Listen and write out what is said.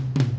itu dia din